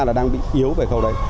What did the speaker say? là đang bị yếu về khâu đấy